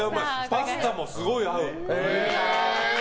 パスタもすごい合う。